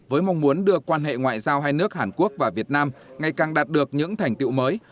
với mong muốn đưa quan hệ ngoại giao hai nước hàn quốc và việt nam ngày càng đạt được những thành tiệu mới